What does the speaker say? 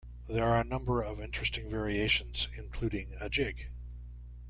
There are a number of interesting variations, including a jig.